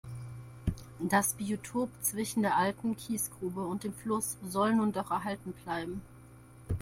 Das Biotop zwischen der alten Kiesgrube und dem Fluss soll nun doch erhalten bleiben.